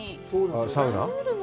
サウナ？